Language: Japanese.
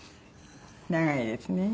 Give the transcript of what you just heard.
長いですね。